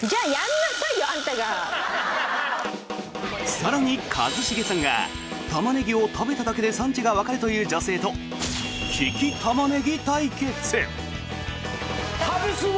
更に、一茂さんがタマネギを食べただけで産地がわかるという女性と利きタマネギ対決！